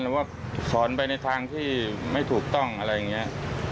หรือว่าสอนไปในทางที่ไม่ถูกต้องอะไรอย่างนี้